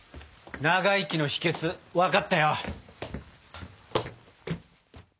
長生きの秘訣分かったよ。